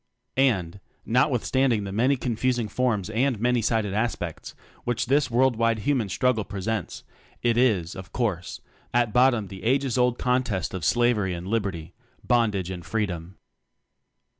And notwithstand ing the many confusing forms and many sided aspects which this world 8 TECHNOCRACY wide human struggle presents, it is, of course, at bottom the ages old con test of Slavery and Liberty, Bondage and Freedom.